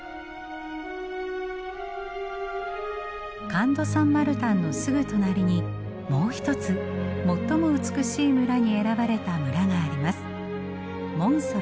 カンド・サン・マルタンのすぐ隣にもう一つ最も美しい村に選ばれた村があります。